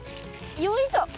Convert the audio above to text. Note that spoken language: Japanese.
よいしょ！